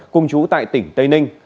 cùng chú tại tỉnh tây ninh